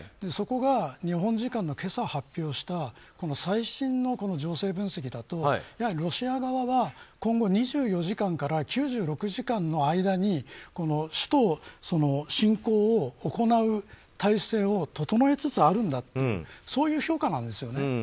そこが日本時間の今朝発表した最新の情勢分析だとロシア側は今後２４時間から９６時間の間に首都侵攻を行う態勢を整えつつあるんだとそういう評価なんですよね。